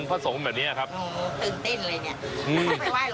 ขายทุกอย่างที่อยากซื้อ